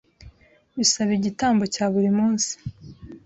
bisaba igitambo cya buri munsi